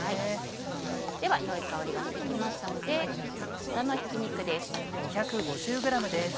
では良い香りがして来ましたので豚のひき肉です。